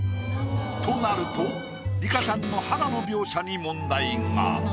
となるとリカちゃんの肌の描写に問題が。